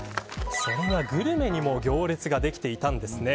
グルメにも行列ができていたんですね。